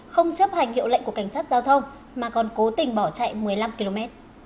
không chấp hành hiệu lệnh của cảnh sát giao thông mà còn cố tình bỏ chạy một mươi năm km